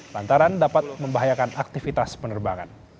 lantaran dapat membahayakan aktivitas penerbangan